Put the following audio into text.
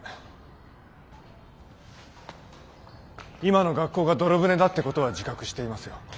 今の学校が泥船だって事は自覚していますよ。